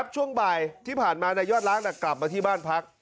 ช่วงบ่ายที่ผ่านมานายยอดล้างกลับมาที่บ้านพัก